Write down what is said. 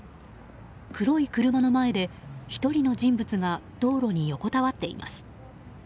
黒い車の前で１人の人物が道路に横たわっています。